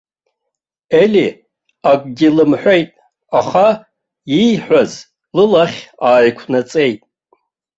Ели акгьы лымҳәеит, аха ииҳәаз лылахь ааиқәнаҵеит.